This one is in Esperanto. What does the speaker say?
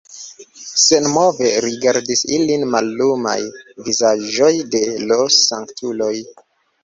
Senmove rigardis ilin mallumaj vizaĝoj de l' sanktuloj.